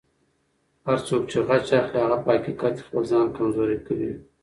هر څوک چې غچ اخلي، هغه په حقیقت کې خپل ځان کمزوری کوي.